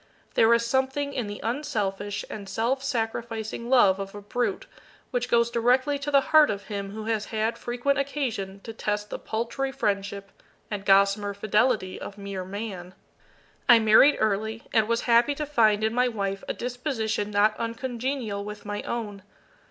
There is something in the unselfish and self sacrificing love of a brute which goes directly to the heart of him who has had frequent occasion to test the paltry friendship and gossamer fidelity of mere Man. I married early, and was happy to find in my wife a disposition not uncongenial with my own.